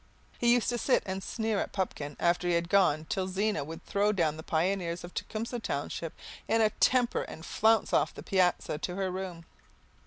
He used to sit and sneer at Pupkin after he had gone till Zena would throw down the Pioneers of Tecumseh Township in a temper and flounce off the piazza to her room.